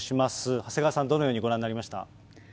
長谷川さん、どのようにご覧になりました？